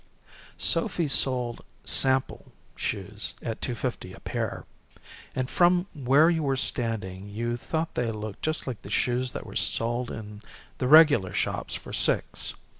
Sophy sold "sample" shoes at two fifty a pair, and from where you were standing you thought they looked just like the shoes that were sold in the regular shops for six.